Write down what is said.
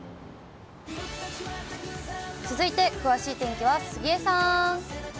続いて詳しい天気は杉江さん。